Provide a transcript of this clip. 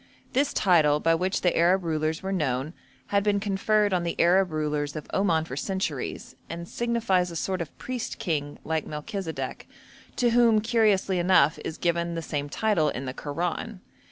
This title, by which the Arab rulers were known, had been conferred on the Arab rulers of Oman for centuries, and signifies a sort of priest king, like Melchisedek, to whom, curiously enough, is given the same title in the Koran.